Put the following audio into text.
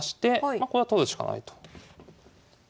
まこれは取るしかないと。